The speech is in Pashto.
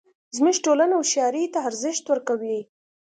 زموږ ټولنه هوښیارۍ ته ارزښت ورکوي